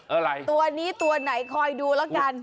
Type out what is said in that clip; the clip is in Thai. อะไรตัวนี้ตัวไหนคอยดูแล้วกัน